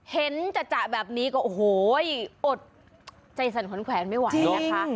เห็นจะแบบนี้ก็โอ้โหอดใจสั่นขวัญแขวนไม่ไหวนะคะ